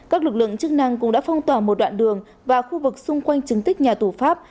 các lực lượng chức năng cũng đã phong tỏa một đoạn đường và khu vực xung quanh chứng tích nhà tù pháp